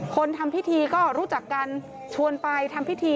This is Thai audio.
ทำพิธีก็รู้จักกันชวนไปทำพิธี